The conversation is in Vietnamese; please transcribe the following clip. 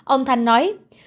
ông thành nói